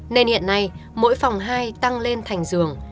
nên hiện nay mỗi phòng hai tăng lên thành giường